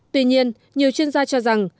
tuy nhiên nhiều chuyên gia cho rằng